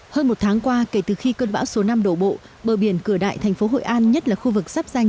hơn một tháng qua kể từ khi cơn bão số năm đổ bộ bờ biển cửa đại thành phố hội an nhất là khu vực sắp danh